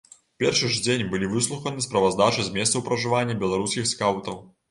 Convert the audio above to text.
У першы ж дзень былі выслуханы справаздачы з месцаў пражывання беларускіх скаўтаў.